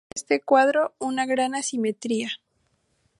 Hay en este cuadro una gran asimetría.